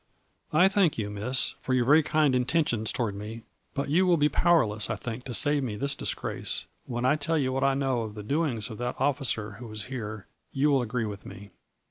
" 4 I thank you, Miss, for your very kind in tentions toward me, but you will be powerless, I think, to save me this disgrace. When I tell you what I know of the doings of that officer who was here, you will agree with me.